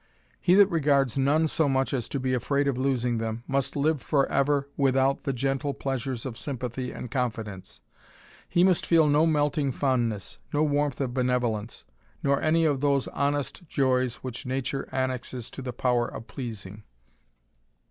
He that regards none so much as to be afraid of losing them, must live for ever without the gentle pleasures of sympathy and confidence; he must feel no melting fondness, no warmth of benevolence, nor any of those honest joys which nature annexes to the power of pleasing.